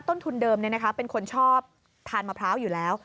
ต้นทุนเดิมเป็นคนชอบทานมะพร้าวอยู่แล้ว